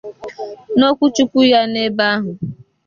N'okwuchukwu ya n'ebe ahụ